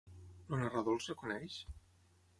El narrador els reconeix?